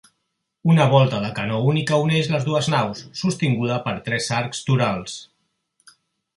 Una volta de canó única uneix les dues naus, sostinguda per tres arcs torals.